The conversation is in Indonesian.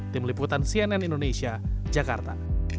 tim liputan cnn indonesia jakarta